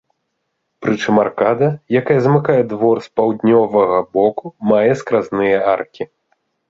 Прычым аркада, якая замыкае двор з паўднёвага боку мае скразныя аркі.